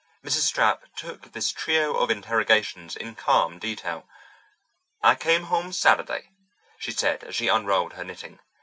Mrs. Stapp took this trio of interrogations in calm detail. "I came home Saturday," she said, as she unrolled her knitting.